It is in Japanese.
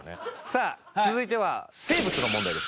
さあ続いては生物の問題です。